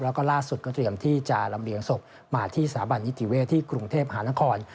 แล้วก็ล่าสุดก็เตรียมที่จะลำเลียงศพมาที่สถาบันนิติเวศที่กรุงเทพหานคร